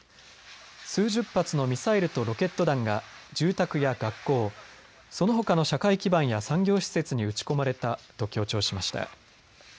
数十発のミサイルとロケット弾が住宅や学校、そのほかの社会基盤や産業施設に撃ち込まれたと強調しました。